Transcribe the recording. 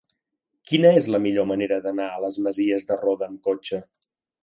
Quina és la millor manera d'anar a les Masies de Roda amb cotxe?